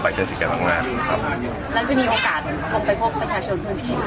แล้วจะมีโอกาสพบไปพบประชาชนภูมิอยู่ไหนครับ